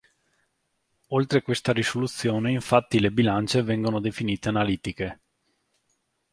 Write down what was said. Oltre questa risoluzione infatti le bilance vengono definite analitiche.